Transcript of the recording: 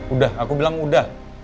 udah aku bilang udah